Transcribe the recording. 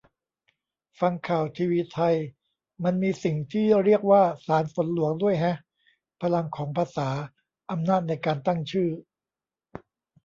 ฟังข่าวทีวีไทย มันมีสิ่งที่เรียกว่า 'สารฝนหลวง' ด้วยแฮะ - พลังของภาษา อำนาจในการตั้งชื่อ